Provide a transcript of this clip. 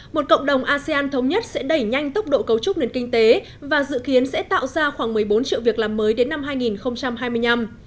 một cộng đồng asean thống nhất sẽ đẩy nhanh tốc độ cấu trúc nền kinh tế và dự kiến sẽ tạo ra khoảng một mươi bốn triệu việc làm mới đến năm hai nghìn hai mươi năm